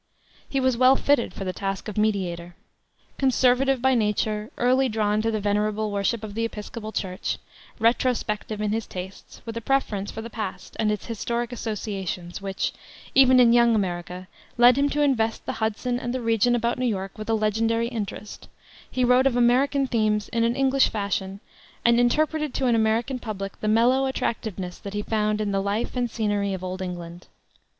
He was well fitted for the task of mediator. Conservative by nature, early drawn to the venerable worship of the Episcopal Church, retrospective in his tastes, with a preference for the past and its historic associations which, even in young America, led him to invest the Hudson and the region about New York with a legendary interest, he wrote of American themes in an English fashion, and interpreted to an American public the mellow attractiveness that he found in the life and scenery of Old England.